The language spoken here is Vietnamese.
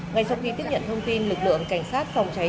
ngay sau khi tiếp nhận thông tin lực lượng cảnh sát phòng cháy